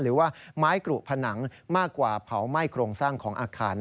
หรือว่าไม้กรุผนังมากกว่าเผาไหม้โครงสร้างของอาคาร